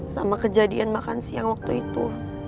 sama kejadian makan siang waktu itu